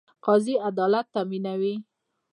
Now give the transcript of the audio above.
قاضي عدالت تامینوي